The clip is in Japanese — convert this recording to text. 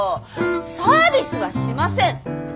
「サービスはしません」？